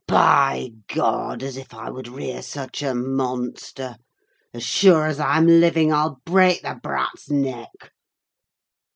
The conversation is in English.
By God, as if I would rear such a monster! As sure as I'm living, I'll break the brat's neck."